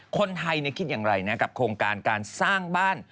คนไทยคิดอย่างไรนะกับโครงการการสร้างบ้าน